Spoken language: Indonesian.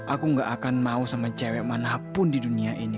aku gak akan mau sama cewek manapun di dunia ini